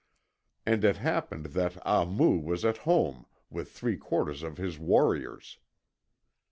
And it happened that Ahmoo was at home with three quarters of his warriors.